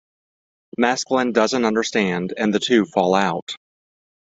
Masklin doesn't understand, and the two fall out.